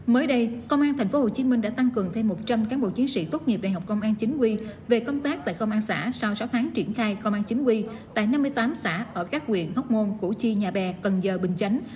mới đây công an tp hcm đã tăng cường thêm một trăm linh cán bộ chiến sĩ tốt nghiệp đại học công an chính quy về công tác tại công an xã sau sáu tháng triển khai công an chính quy tại năm mươi tám xã ở các quyền hốc môn củ chi nhà bè cần giờ bình chánh